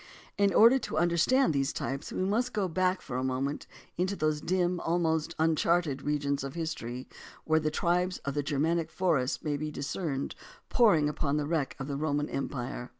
In order to understand these types we must go back for a moment into those dim, almost un JOHN C. CALHOUN 167 charted, regions of history where the tribes of the Germanic forests may be discerned pouring down upon the wreck of the Roman Empire.